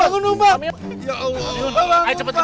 pak rt jangan lambun aja ayo cepet bawa kerumah sakit